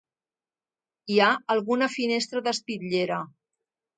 Hi ha alguna finestra d'espitllera.